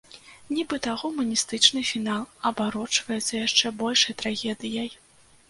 Нібыта гуманістычны фінал абарочвацца яшчэ большай трагедыяй.